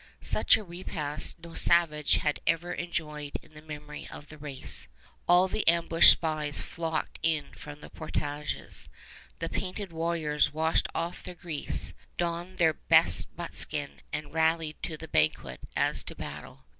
Such a repast no savage had ever enjoyed in the memory of the race. All the ambushed spies flocked in from the portages. The painted warriors washed off their grease, donned their best buckskin, and rallied to the banquet as to battle.